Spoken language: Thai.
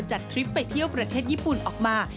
ทริปไปเที่ยวประเทศญี่ปุ่นออกมา